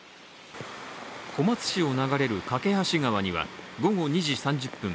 小松市を流れる梯川には午後２時３０分